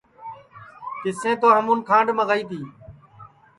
تِسیں تو ہمون کھانٚڈؔ منٚگائی تی